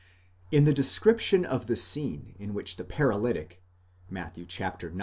In the description of the scene in which the paralytic (Matt. ix.